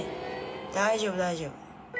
大丈夫大丈夫。